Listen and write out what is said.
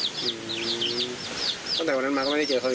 ตั้งแต่วันนั้นมาก็ไม่ได้เจอเขาอีก